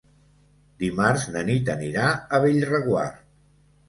Dimarts na Nit anirà a Bellreguard.